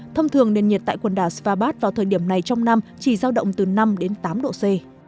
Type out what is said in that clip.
thông thường nền nhiệt tại quần đảo svabat vào thời điểm này trong năm chỉ giao động từ năm đến tám độ c